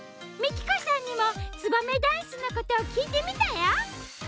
ＭＩＫＩＫＯさんにも「ツバメダンス」のことをきいてみたよ！